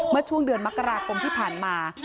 เมื่อช่วงเดือนมกราคมที่ผ่านมา